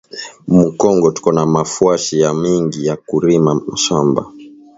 Mu kongo tuko na ma fwashi ya mingi ya ku rima mashamba